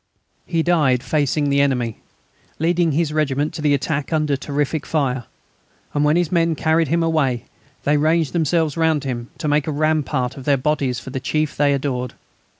He died facing the enemy, leading his regiment to the attack under terrific fire, and when his men carried him away they ranged themselves round him to make a rampart of their bodies for the chief they adored.